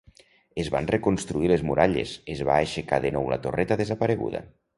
Es van reconstruir les muralles, es va aixecar de nou la torreta desapareguda.